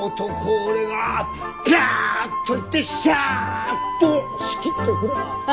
俺がピャッと行ってシャッと仕切っとくらあ。